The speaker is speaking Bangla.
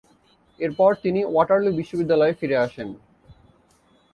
এরপর তিনি ওয়াটারলু বিশ্ববিদ্যালয়ে ফিরে আসেন।